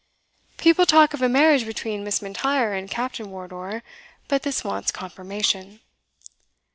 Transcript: People talk of a marriage between Miss M'Intyre and Captain Wardour; but this wants confirmation.